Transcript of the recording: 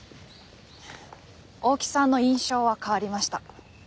大木さんの印象は変わりました。